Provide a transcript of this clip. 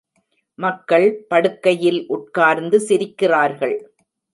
மக்கள் படுக்கையில் உட்கார்ந்து சிரிக்கிறார்கள்.